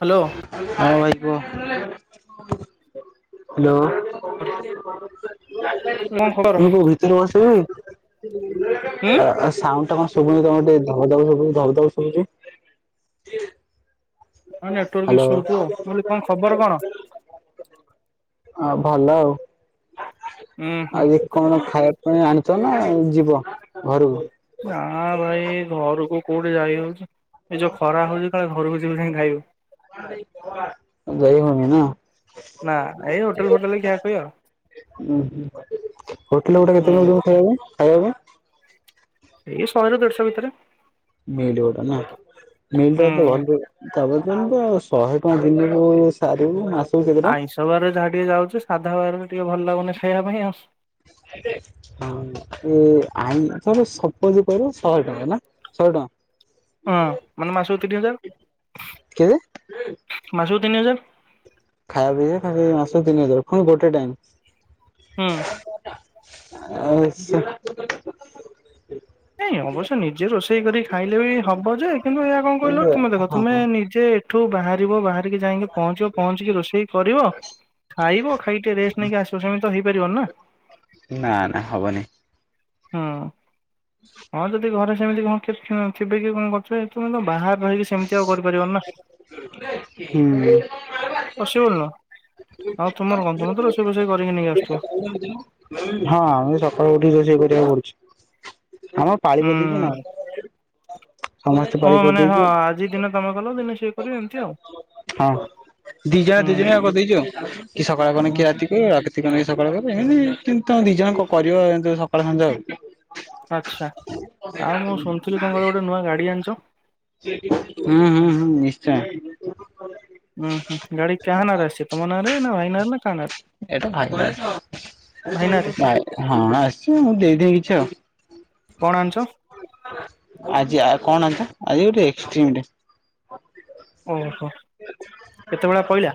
Hello ହଁ ଭାଇ କୁହ ହାଲୋ। ତୁ କଣ ଖବର କୋଉ ଭିତରୁ ବସିବି ହୁଁ ସାଉଣ୍ଡୁ ଶୁଭୁନି ତମର ଟିକେ ଧବ ଧ ସବୁ ଧ ଧ ସୁବୁଛି। ହ ନେଟୱର୍କ ଇସ୍ୟୁ ରହୁଥିବ ମୁ କହିଲି କଣ ଖବର କଣ? ଆ ଭଲ ଆଉ। ଉୁଁ ହୁଁ ଆଜି କଣ ଖାଇବା? ପୁଣି ଆଣିଛ ନା ଯିବ ଘରକୁ? ନା ଭାଇ ଘରକୁ କୋଉଠି ଯାଇ ହଉଛି। ଏଇ ଯୋଉ ଖରା ହଉଛି କାଳେ ଘରକୁ ଯିବି ଯିବୁ କାଇଁ ଖାଇବୁ ଯାଇ ହୋଉ ନି ନା? ନା ଉହୁଁ ଏଇ ଫୋଟେଲରେ ହୋଟେଲ ଖିଆ ଖୁଇ ଆଉ ଗୋଟା କେତେ ଦୋଉଛନ୍ତି ଖାଇବା ହୁଁ। ପାଇଁ? ଖାଇବା ପା ଏଇ ଶହେ ରୁ ଦେଢଶହ ଭିତରେ ମିଲ ଗୋଟା ନା? ମିଲଟା ତ ହୁଁ। ଭଲ ତାପରେ ଜଣକୁ ତ ଶହେ ଟଙ୍କା ଦିନକୁ ସାରିବୁ ମାସ ଆଇଁଷ ବାର ଯାହା ଟିକେ ଯାଉଛି ସାଧା ବାରରେ ଟିକେ ଭଲ ଲାଗୁନି ଖାଇବା ପାଇଁ ଆଉ। ଆଇଁଷ ରୁ ସବୁ ଯ କହିଲ ଶହେ ଟଙ୍କା ନା ଶହେ ଟଙ୍କା। ହଁ ମାନେ ମାସକୁ ତିନି ହଜାର କେତେ? ମାସ। ତିନି ହଜାର। ଖାଇବା ପିଇଵା ଖାଲି ମାସ ତିନି ହଜାର ପୁଣି ଗୋଟେ ହୁଁ। ଟାଇମ। ଟା ଆରେ ସେ ନାଇଁ ଅବଶ୍ୟ ନିଜେ ରୋଷେଇ କରି ଖାଇଲେ ବି ହବ ଯେ କିନ୍ତୁ ଏହା କଣ କହିଲ ତୁମେ ଦେଖ ତୁମେ ହଁ। ନିଜେ ଏଠୁ ବାହାରିବ ବାହାରିକି ଯାଇକି ପହଞ୍ଚିବ ପହଞ୍ଚିକି ରୋଷେଇ କରିବ ଖାଇବ। ଖାଇଟି ରେଷ୍ଟ ନେଇକି ଆଶିବ ସେମିତି ତ ହେଇ ନା ନା ହବନି। ହଁ। ହଁ ଯଦି ଘରେ ସେମିତି କଣ ଥିବେ କି କଣ କରୁଥିବେ ତୁମେ ତ ବାହର କି ସେମିତି ଆଉ କରିପାରିବ ନା ହୁଁ। ପସିବୁଲ ନୁହଁ। ଆଉ ତମର ଵନ୍ଧୁ ଫନ୍ଦୁ ରଷେଇ ଵଷେଇ କରିବେନି। ୁ [inaudible] ହଁ ମୁଇ ସକାଳୁ ଉଠି ଯାଇ ଏଇ ଭିଡ଼ିଓ କରୁଛି। ଆମ ପାଳି ହୁଁ। [inaudible] ନାଉ ଓ ମାନେ ହଁ ଆଜି ଦିନ ତମେ କଲ ଦିନେ ସେ ହଁ ଦି ଜଣ ହୁଁ ଦି ଜଣ କରିଦେଇଛୁ ଆଉ କି ସକାଳେ ହୁଁ, ବନେକି ରଖିଦେବି। ଜଣେ ସକାଳ କରିଦେବି ଏମିତି ଦି ଜଣ କରିଵାର ସକାଳ ସନ୍ଧ୍ୟା ଆଉ ଆଚ୍ଛା ଆଉ ମୁଁ ଶୁଣିଥିଲି କଣ କ ଗୋଟେ ନୂଆ ଗାଡି ଆଣିଛ। ହୁଁ ହଁ ହଁ ନିଶ୍ଚୟ। ହୁଁ ହୁଁ ଗାଡ଼ି କହା ନାରେ ଅଛି ତୁମର ନାରେ ନା ଭାଇନାରେ ନା କା ନାରେ ଏଟା ଭାଇ ଭାଇ ନାଁରେ ହଁ ଆସିଛି ଦେଇ କିଛି ଆଉ କଣ ଆଣିଛ ଆଜି କଣ ଆଣିଛ [inaudible] ଆଜି ଗୋଟ ଏକ୍ସଟ୍ରିମ୍ ଟେ। ଓହୋ କେତେଭଳା ପଇଲା।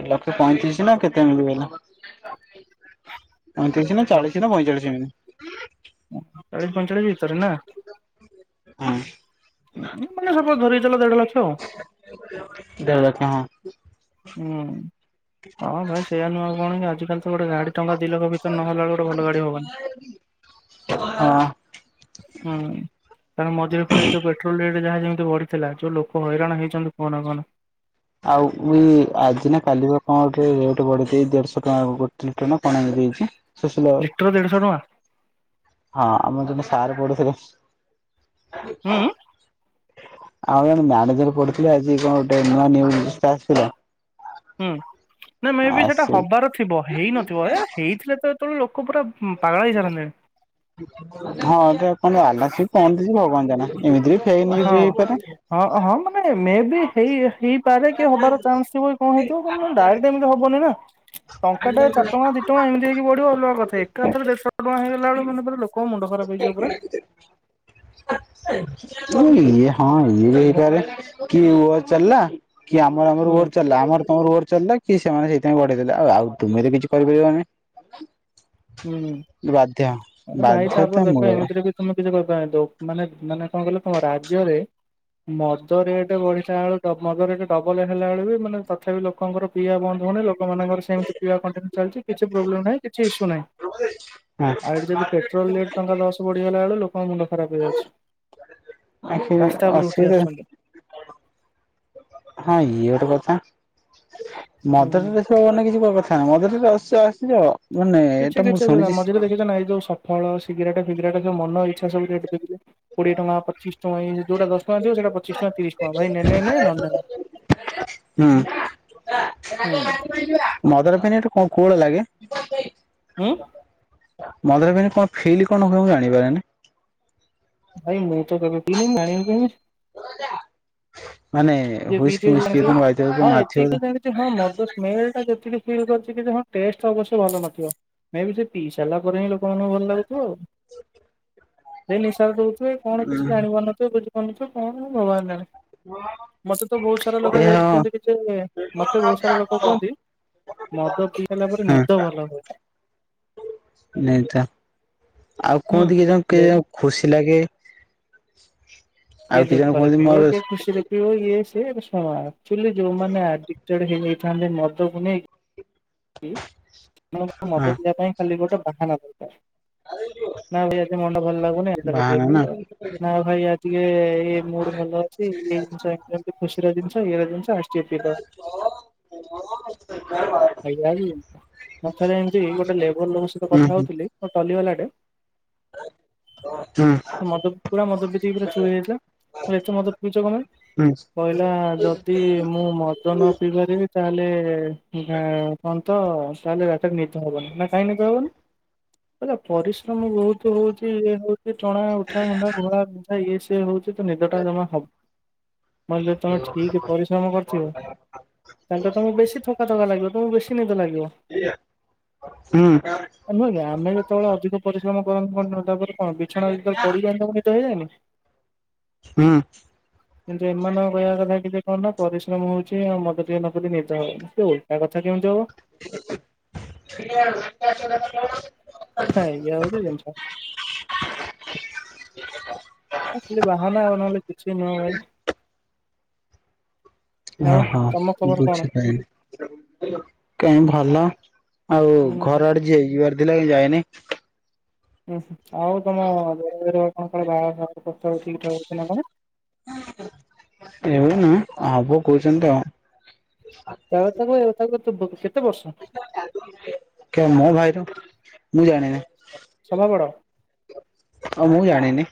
ଏ ଲକ୍ଷ ପଇଁତିରିଶ। ନା କେତେ [unintelligible] ପଇଁତିରିଶ ନା ଲକ୍ଷେ ଚାଳିଶ ନା ପଇଁଚାଳିଶ ଏମିତି। ଚାଳିଶ ପଇଁଚାଳିଶ ଭିତରେ ନା। ହଁ ମାନେ [unintelligible] ଧରି କି ଦେଢ ଲକ୍ଷ ଆଉ [unintelligible] ହୁଁ। ହଁ ଭାଇ ସେଇଆ ନୁଏ ଆଉ କଣ ବାଜୁ ତୁ ଗୋଟେ ଗାଡି ଟଙ୍କା ଦିଲକ୍ଷ ଭିତରେ ନହେଲା ବଳେକୁ ଗୋଟେ ଭଲ ଗାଡି ହବନି ହଁ। ହୁଁ। ତା ମଝିରେ ପୁଣି ଏଯୋଉ ପଟ୍ରୋଲ ରେ ଯାହା ଯେମିତି ବଢିଥିଲା ଯୋଉ ଲୋକ ହଇରାଣ ହେଇଚନ୍ତି। [unintelligible] ଆଉ ଏଇ ଆଜି ନା କାଲି କଣ ଗୋଟେ ରେଟ ବଢି ଦେଇ କି ଦେଢଶହ ଟଙ୍କା ଗୋଟେ ଲିଟର ନା କଣ ଏମିତି ହେଚି। ଲିଟର ଦେଢଶହ ଟଙ୍କା ଆ। ହଁ ଆମର ଯେ ସାର ପଢୁଥିଲେ। ହୁଁ [inaudible] ଆଉ ଜଣେ ମ୍ୟାନେଜର ପଢୁଥିଲେ ଆଜି କଣ ଗୋଟେ ନୂଆ ନିଉଜଟେ ଆସିଥିଲା। ହୁଁ ନା ମେ ଆ ବି ସେଇଟା ସେଇ ହବାର ଥିବ ହେଇନଥିବ ଏଁ ହେଇଥିଲେ ତ ଏତେତଳୁ ଲୋ [unintelligible] ଉଁ ପୁରା ପାଗଳ ହେଇସାରନ୍ତେଣି। ହଁ। ହେଲା ଆମେ ଆସିକି ପହଞ୍ଚି ଯିବୁ ଆଉ କଣ ନ। ହଁ ହଁ ହଁ ମାନେ ମେବି ଏଇ [unintelligible] ହବାର ଚାନ୍ସ ଥିବ କି କଣଁ ହେଇଥିବ [unintelligible] ଡାଇରେକ୍ଟ ଏମିତି ହବନି ନା ଟଙ୍କାଟେ ଚାରି ଟଙ୍କା ଦି ଟୁଆଁ ଟା ଏମିତି ହେଇକ ବଢିବ ଅଲଗା କଥା ଏକା ଥରେ ଦେଢଶହ ଟୁଆଁ ହେଇଗ [unintelligible] ଲୋ କଣ ମୁଣ୍ଡ ଖରାପ ହେଇଯିବ ପୁରା। ଇଏ ହଁ ଇଏ ହେଇପାରେ କି ନୂଆ ଚାଲିଲା। କିଏ ଆମର ଆମର ହୁଁ ଓର ଚାଲିଲା ଆମର ତମର ଓର ଚାଲିଲା। କି ସେମାନେ ସେଇଥିପାଇଁ ବଢେଇ ଦେଲେ ଆଉ ଆଉ ତୁମେ ତ କିଛି କରିପାରିବନି ଆମେ। ହୁଁ। ବାଧ୍ୟ ଆରେ ଭାଇ ବାଧ୍ୟ ତାପରେ ଦେଖ ଏମତିରେ ବି ତମେ କିଛି କରି ପାରି [unintelligible] ମାନେ ମାନେ କଣ କହିଲ ତମ ରାଜ୍ୟରେ ମଦ ରେଟ୍ ବଢିଲା ବେଳକୁ ମଦ ରେଟ ଡବଲ ହେଲା ବେଳକୁ ମାନେ ତଥାପି ଲୋକଙ୍କର ପିଇବା ବନ୍ଦ ହଉନି ଲୋକମାନଙ୍କର ସେମିତିି ପିଇବା କଣ୍ଟିନିୟୁ ଚାଲିଛି କିଛି ପ୍ରୋବଲେମ୍ ନାହିଁ କିଛି ଇସ୍ୟୁ ନାହିଁ। ହଁ ଆଉ ଏଠି ଯଦି ପେଟ୍ରୋଲ ରେଟ୍ ଟଙ୍କା ଦଶ ବଢିଗ ଲା ବେଳକୁ ଲୋକ ଆଖି ରାସ୍ତା ଉପରୁ ଉଠି ଆସିବ ଆସୁଛନ୍ତି। ହଁ ଇଏ ଗୋଟେ କଥା। ମଦର ହୁଁ [unintelligible] କିଛି [unintelligible] ଆମର ତ ଏଠି ରସ୍ୟ ଆସିଯା କିଛି କିଛି ଅସୁବିଧା ମଝିରେ ଦେଖିଛ ନାଇଁ ଏଇ ଯୋଉ ସଫଳ ସିଗାରେଟ ଫିଗାରେଟ ଯୋଉ ମନ ଇଚ୍ଛା ସବୁ ରେଟ୍ ବିକିଲେ କୋଡ଼ିଏ ଟଙ୍କା ପଚିଶ ଟଙ୍କା ଇଁତି ଯୋଉଟା ଦଶ ଟଙ୍କା ଥିବ ସେଇଟା ପଚିଶ ଟଙ୍କା ତିରିଶ ଟଙ୍କା ଭାଇ ନେ ନେ ନେ ନହେଲେ ହୁଁ ନାଇଁ ହୁଁ। ମଦର ପେନ୍ ଏଟା କଣ କୋହଳ [unintelligible] ହୁଁ। ମଦରେ କିଛି କଣ ଫିଲ୍ କଣ ହୁଏ ମୁଁ ଜାଣିପାରେନି। ଭାଇ ମୁଁ ତ କେବେ ପିନି ମୁଁ ଜାଣିବି କେମିତି? ମାନେ ଯିଏ ହୁଇସ୍କି ପିଇଥିବ ସେ ମିସ୍କି ତମେ ବାଇଥିବ ଜାଣିଥିବ ହଁ ମାଥିବ ଏତିକି ଖାଲି ଜାଣିଚି ହଁ ମଦ ସ୍ମେଲଟା ଯେତିକି ଫିଲ୍ କରିଚିକି ହଁ ଟେଷ୍ଟ ଅବଶ୍ୟ ଭଲ ନଥିବ ମେବି ସେ ପିଇ ସାରିଲା ପରେ ହିଁ ଲୋ କଣ ଭଲ ଲାଗୁଥିବ ଆଉ। ହେ ନିଶା [unintelligible] ହୁଏ କଣ କିଛି ଜାଣି ପାରୁନଥିବେ କିନ୍ତୁ ଶୁଣିଛୁ କଣ ଭଗବାନ୍ ଜାଣେ। ମତେ ତ ବହୁତ ସାରା ଲୋକ ଏ କହୁଛନ୍ତି ହଁ ଯେ ଯେମିତି କି ଯେ ମତେ ବହୁତ ସାରା ଲୋକ କୁହନ୍ତି ମଦ ପିଇଲା ପରେ ହଁ ନିଦ ଭଲ ହୁଏ। ନାଇଁ ତ। ଆଉ ହୁଁ। କୁହନ୍ତି କି ଜଣ କେ ଲେ ପିଏ ଖୁସି ଲାଗେ କେ ଆଉ କି ଜଣ ଦୁଃଖରେ କୁହନ୍ତି ପିଇବ ମୋର କେ ଖୁସିରେ ପିଇବ ଇଏ ସେ ସେ ଶୁଣ ଆକ୍ଚୁଲି ଯୋଉମାନେ ଆଡିକଟେଡ ହେଇଯାଇଥାନ୍ତି ମଦକୁ ନେଇକି ସେମାନଙ୍କୁ ହଁ ମଦ ପିଇବା ପାଇଁ ଖାଲି ଗୋଟେ ବାହାନା ଦରକାର। ନା ଭାଇ ଆଜି ମନଟା ଭଲ ଲାଗୁନି ଚାଲ ଟିକେ ବାହାନ ପିଇ ନା ଦେବା ହୁଁ ନା ଭାଇ ଆଜି ଟିକେ ଇ ମୁଡ ଭଲ ଅଛି ଇ ଜିନିଷ ଏମତି ଖୁସିର ଜିନିଷ ଇଏର ଜିନିଷ ଆସ ଟିକେ ପିଇ ଦେବା ଆଜ୍ଞା ମଥରେ ଏମିତି ଗୋଟେ ଲେବର ଲୋକ ସହିତ ହୁଁ କଥା ହଉଥିଲି ମୋ ଟଲି ବାଲାଟେ ଚ ହୁଁ। ହେଇଥିଲା ଏଠୁ ମଦ ପିଇଛ କଣ ପାଇଁ କହିଲା ଯଦି ମୁଁ ମଦ ନ ପିଇ ପାରିବି ତାହେଲେ କଣ ତ ତାହେଲେ ରାତିରେ ନିଦ ହବନି ନା କାହିଁକି ନିଦ ହବନି କହିଲା ପରିଶ୍ରମ ବହୁତ ହଉଛି ସେ ଟଣା ଉଠା ହେଣ୍ଡା ଘୋଳା ବିନ୍ଧା। ଏ ସେ ହଉଛି। ନିଦଟା ଜମା ହବ ମାନେ ଯଦି ତମେ ଠିକ ପରିଶ୍ରମ କରିଥିବ ତାହେଲେ ତମକୁ ବେଶୀ ଥକା ଥକା ଲାଗିବ ତମକୁ ବେଶୀ ନିଦ ଲାଗିବ ହୁଁ ନୁହେଁ କି ଆମେ ଯେତେବେଳେ ଅଧିକ ପରିଶ୍ରମ କଣ ତାଙ୍କର ତାପରେ କଣ ବିଛଣା ଉପରେ ପଡ଼ିଯାଇ ତାକୁ ନିଦ ହେଇଯାଏନି। ହୁଁ। କିନ୍ତୁ ଏମାନଙ୍କ କହିବା କଥା କି କଣ ନା ପରିଶ୍ରମ ହଉଛି ଆଉ ମଦ ଟିକେ ନ ପିଲେ ନିଦା ହବ ନି ଓଲଟା କଥା କେମିତି ହବ? ହଁ ଏଇଆ ହଉଛି ଜିନିଷ [unintelligible] ଖାଲି ବାହାନା ନହଲେ କିଛି ନୁହଁ ଭାଇ। ଆଉ ଓହୋ ତମ ଖବର କଣ? ବୁଝିପାଇଲି। କାଇଁ ଭଲ ଆଉ ଉୁଁ ହୁଁ ଘର ଆଡେ ଯ ଯିବାର ଦ ଲାଗି ଯାଏନି। ହୁଁ ଆଉ ତମ ଦଉ କଣ କଣ ବାହାଘର ଫାହାଘର। ପ୍ରସ୍ତାବ ଠିକ୍ ଠାକ ଅଛି ନା କଣ? ଏବେ ନା ହବ କହୁଛନ୍ତି ତ ଆଉ। [unintelligible] [unintelligible] କେମ ଭାଇ ର। ମୁଁ ଜାଣିନି। ସଭା ବଡ। ଆଉ ମୁଁ ଜାଣିନି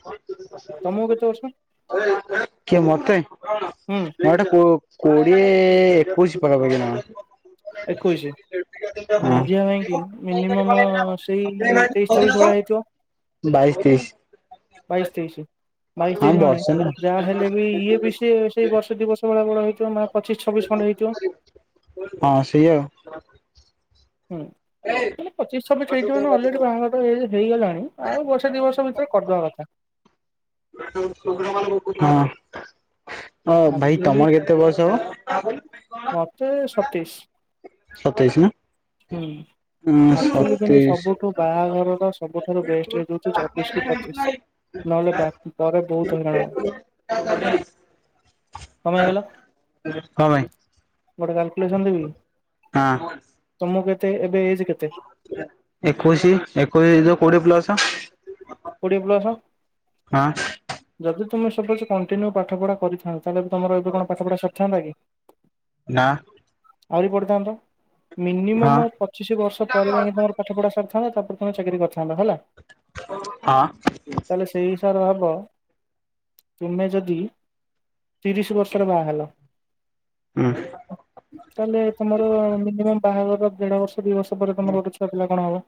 ତମକୁ କେତେ ବର୍ଷ କିଏ ମତେ ମତେ ହୁଁ କୋଡ଼ି କୋଡିଏ ଏକୋଇଶି ପାଖାପଖି ନା। ଏକୋଇଶି ମଝିଆ ଭାଇଁକି ମିନିମମ ସେଇ ତେଇଶି ଚବିଶ ଭଳିଆ ହେଇଥିବ। ବାଇଶି ତେଇଶ। ବାଇସି ତେଇଶୀ। ବାଇଶ ହଁ ତେଇଶ ମାନେ ବର୍ଷେ ନା। ଯାହା ହେଲେ ବି ଇଏ ବି ସେ ସେଇ ବର୍ଷ ଦି ବର୍ଷ ବ [unintelligible] ଜମା ପଚିଶ ଛବିଶ ଖଣ୍ଡେ ହେଇଥିବ। ହଁ ସେଇଆ ଆଉ। ହୁଁ ଵଲି ପଚିଶ ଛଵିଶ ହେଇଥିଵନା ଅଲରେଡି ବାହାଘର ଏଜ ହେଇଗଲାଣି ଆଉ ବର୍ଷେ ଦି ବର୍ଷ ଭିତରେ କରିଦବା କଥା। ହଁ ଅ ଭାଇ ଆକ୍ଚୁଆଲି ତମର କେତେ ବୟସ ହବ ମତେ ସତେଇଶ ସତେଇଶ ନା? ହୁଁ ଉଁ ଆକ୍ଚୁଆଲି କିନ୍ତୁ ସତେଇଶ ସବୁଠୁ ବାହାଘରର ସବୁଠାରୁ ବେଷ୍ଟ ଏଜ୍ ହଉଛି ଚବିଶ କି ପଚିଶ ନହେଲେ ପରେ ବହୁତ ହଇରାଣ ହବ କଣ ପାଇଁ କହିଲ। ହଁ ଭାଇ ଗୋଟେ ଗାଲ୍ ହଁ ମୁଁ କେତେ ଏବେ ଏଜ୍ ଏକୋଇଶି ଏକୋଇଶି ଯ କୋଡିଏ ପ୍ଲସ ହ କୋଡିଏ ପ୍ଲସ ଯଦୁ ତୁମେ ସବେଠୁ କଣ୍ଟିନ୍ୟୁ ପାଠ ପଢା କରିଥାନ୍ତ ତାହଲେ ତମର ଏବେ କଣ ପାଠପଢା ସରିଥାନ୍ତା କି? ନା ଆହୁରି ପଢ଼ିଥାନ୍ତ? ହଁ। ମିନିମମ୍ ପଚିଶି ବର୍ଷ ପରେ ଯାଇକି ତମର ପାଠ ପଢା ସରିଥାନ୍ତା ତା ତାପରେ ତମେ ଚାକିରି କରିଥାନ୍ତ ହେଲା। ହଁ ହବ ତୁମେ ଯଦି ତିରିଶ ବର୍ଷର ବାହା ହେଲ ତାହେଲେ ତମର ମିନିମମ୍ ବାହାଘରର ଦେଢ଼ ବର୍ଷ ଦୁଇ ବର୍ଷ ପରେ ତମର ଗୋଟେ ଛୁଆ ପିଲା କଣ ହବ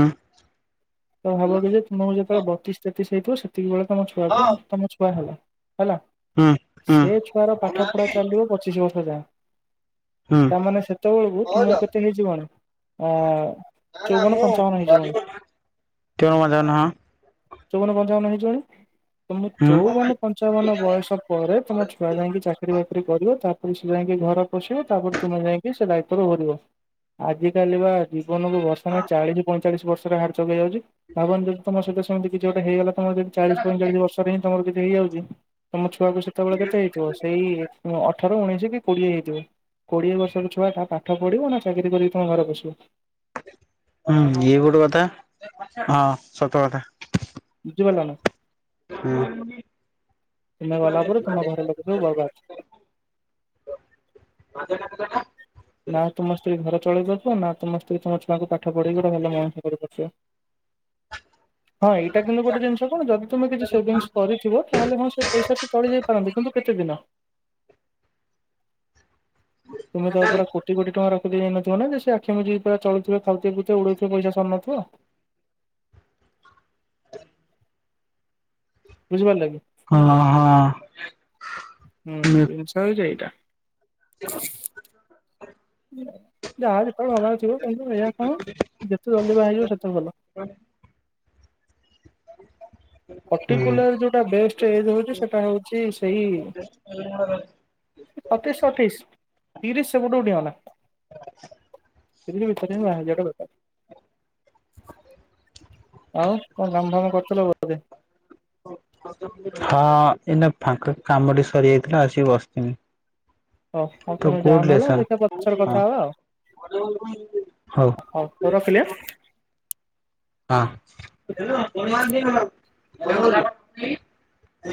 [inaudible] ତ ହବ ଯଉ ତୁମକୁ ଯେତେବେଳେ ବତିଶ ତେତିଶ ସେ ସେଇ ତ ସେତିକ ବେଳେ ତମ ଛୁଆକୁ ତମ ଛୁଆ ହେଲା ହେଲା ହୁଁ ସେ ଛୁଆର ପାଠ ପଢା ଚାଲିବ ପଚିଶ ବର୍ଷ ଖଜ ହୁଁ ତାମାନେ ସେତେବେଳକୁ ତୁମ କେତେ ହେଇଯିବଣି ହଁ [unintelligible] ମୁ ତଣ ମଜ ହଁ। ଚଉବନ ପଞ୍ଚାବନ ହେଇଯିବଣି। ତମ ହୁଁ ଚଉବନ ପଞ୍ଚାବନ ବୟସ ପରେ ତମ ଛୁଆ ଯାଇକି ଚାକିରି ବାକିରି କରିବେ ତା ସେ ଯାଇକି ଘର ପୋଷିବେ ତାପରେ ତୁମେ ଯାଇକି ସେ ଦାୟିତ୍ଵରୁ ଓହୋରିବ ଆଜିିକାଲି ପା ଜୀବନକୁ ଭରଷା ନାହିଁ ଚାଳିଶ ପଇ ଚାଳିଶ ବର୍ଷରେ ହାର୍ଟ ଚୋକ୍ ହେଇଯାଉଛି। ଭାବନି ଦେଖୀ ତମ ସହିତ ସେମିତି କିଛି ଗୋଟେ ହେଇଗଲା। ତମର ଯଦି ଚାଳିଶ ପାଇଞ୍ଚାଳିଶି ବର୍ଷରେ ହିଁ ତମର କିଛି ହେଇଯାଉଛି ତ ଦେଖିଲା ବେଳକୁ ସେତେବେଳେ କେତେ ହେଇଥିବ ସେଇ ଥର ଉଣେଇଶ କି କୋଡ଼ିଏ ହେଇଥିବ କୋଡ଼ିଏ ବର୍ଷର ଛୁଆ ତା ପାଠ ପଢ଼ିବ ନା ଚାକିରି କରିକି ତମେ ଘରେ ବସିବ ହୁଁ ଇଏ ଗୋଟେ କଥା ହଁ ସତ କଥା। ବୁଝିପାରିଲ ନା। ହଁ। ତୁମେ ଗଲା ପରେ ତୁମ ଘର ଲୋକ ଯୁ ବଲ। ଅ [inaudible] [inaudible] ନା ତୁମସ୍ତେ ଘରେ। ଚଳେଇ ପାରୁଥିବା ନା ତମେ ତମ ଛୁଆକୁ ପା ପାଠ ପଢେଇକି ଗୋଟେ ଭଲ ମଣିଷ କରିପାରୁଥିବ। ହଁ ଏଇଟା କିନ୍ତୁ ଗୋଟେ ଜିନିଷ ଯେ ଯଦି ତୁମେ କିଛି ସେଭିଙ୍ଗସ କରିଥିବ। ତାହେଲେ ହଁ ସେ ପଇସା ସେ ଚଳି ଯାଇ ପାରନ୍ତି କିନ୍ତୁ କେତେ ଦିନ? ତୁମେ ତ ପୁରା କୋଟି କୋଟି ଟଙ୍କାର ହେଇ ନଥିବ ନା ଯେ ସେ ଆଖି ମୁଜିକି ପୁରା ଚଳୁଥିବ ଖାଉଥିବ ପିଉଥିବ ଉଡଉଥିବ ପଇସା ସରୁ ନଥିବ। ବୁଝିପାରି ଲକି। ହଁ ହଁ। ହୁଁ ଜିନିଷ [inaudible] ଯାହାର ଯେତେବେଳେ ହବର ଥିବ। ଏ କଣ ଯେତେ ଜଲିବା ବାହା ହେଇଯିବ ସେତେ ଭଲ। [inaudible] ପର୍ଟିକୁଲାର ଯୋଉଟା ବେଷ୍ଟ ଏଜ ହଉଛି ସେଟା ହଉଛି ସେଇ ସତେଇଶ ଅଠେଇଶ। ତିରିଶ ସେପଟକୁ ଡିଆହେଲା। [unintelligible] ଆଉ କଣ କାମ ଫାମ କରିୁଥିଲ ବୋଧେ? ହଁ ଏଇନା ଫାଙ୍କ କାମଟି ସରିଯାଇଥିଲା ଆସିକି ବସିଥିଲି। ହଉ ଆଉ ତ ତମେ ଗୁଡ ଯାଅ ନହେଲେ ଲେସନ ଦେଖିବା ପଛରେ ହଁ କଥା ହବା ଆଉ ହଉ ହଁ ରଖିଲି। ହଁ [inaudible]